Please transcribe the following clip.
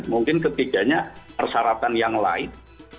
mungkin ketiganya persyaratan yang lain